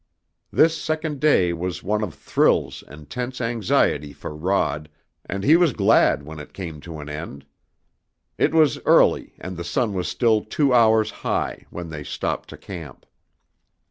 This second day was one of thrills and tense anxiety for Rod, and he was glad when it came to an end. It was early, and the sun was still two hours high, when they stopped to camp.